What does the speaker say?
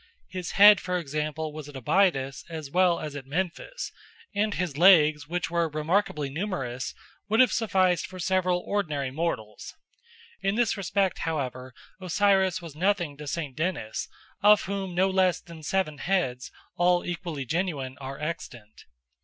His head, for example, was at Abydos as well as at Memphis, and his legs, which were remarkably numerous, would have sufficed for several ordinary mortals. In this respect, however, Osiris was nothing to St. Denys, of whom no less than seven heads, all equally genuine, are extant.